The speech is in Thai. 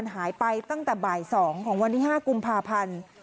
หายไปตั้งแต่บ่าย๒ของวันที่๕กุมภาพันธ์